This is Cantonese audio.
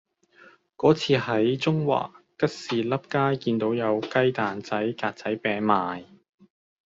嗰次喺中環吉士笠街見到有雞蛋仔格仔餅賣